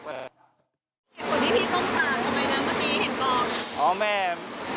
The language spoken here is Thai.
คนนี้พี่ต้องการทำไมเมื่อกี้เห็นบอก